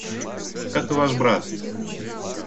Как и ваш брат.